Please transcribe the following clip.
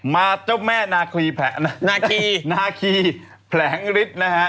มาเจ้าแม่นาคีแผลงฤทธิ์นะฮะ